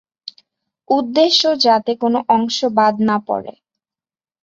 উদ্দেশ্য, যাতে কোনো অংশ বাদ না পড়ে।